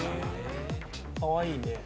かわいいね。